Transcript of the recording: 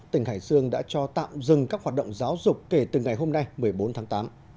tỉnh hải dương đã cho tạm dừng các hoạt động giáo dục kể từ ngày hôm nay một mươi bốn tháng tám